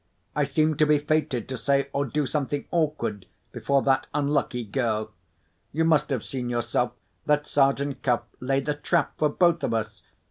"I seem to be fated to say or do something awkward, before that unlucky girl. You must have seen yourself that Sergeant Cuff laid a trap for both of us.